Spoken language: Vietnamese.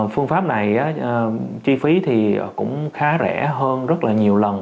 phương pháp này chi phí thì cũng khá rẻ hơn rất là nhiều lần